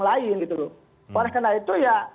lain gitu loh oleh karena itu ya